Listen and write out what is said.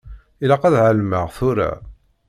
Ilaq ad εelmeɣ tura.